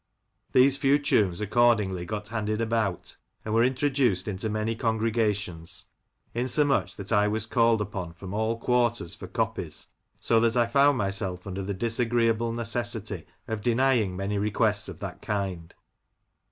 These few tunes accordingly got handed about, and were introduced into many congre gations, insomuch that I was called upon from all quarters for copies, so that I found myself under the disagreeable necessity of denying many requests of that kind.